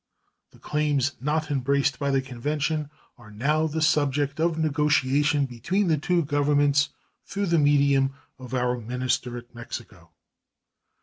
The claims not embraced by that convention are now the subject of negotiation between the two Governments through the medium of our minister at Mexico.